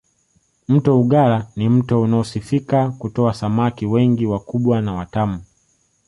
mto ugala ni mto unaosifika kutoa samaki wengi wakubwa na watamu